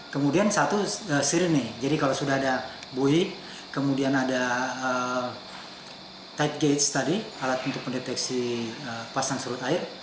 kemudian satu sirene jadi kalau sudah ada bui kemudian ada tight gates tadi alat untuk mendeteksi pasang surut air